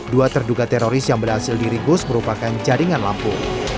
dua terduga teroris yang berhasil diringkus merupakan jaringan lampu